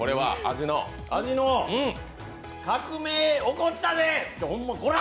味の革命、起こったでこら！